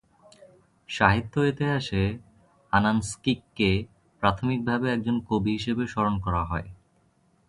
সাহিত্য ইতিহাসে, আনানস্কিকে প্রাথমিকভাবে একজন কবি হিসেবে স্মরণ করা হয়।